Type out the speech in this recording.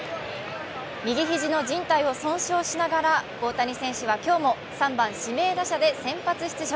右肘のじん帯を損傷しながら、大谷選手は今日も３番・指名打者で先発出場。